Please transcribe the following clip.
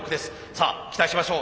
さあ期待しましょう。